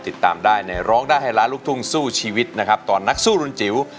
ติดตามได้ในร้องได้ให้ล้านลูกทุ่งสู้ชีวิตนะครับตอนนักสู้รุนจิ๋ว